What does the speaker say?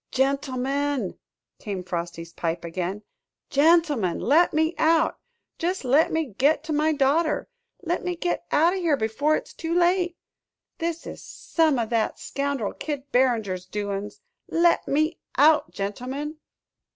"Gentlemen," came Frosty's pipe again, "gentlemen, let me out jest let me git to my daughter let me git out o' here before it's too late! This is some o' that scoundrel Kid Barringer's doin's. Let me out, gentlemen!"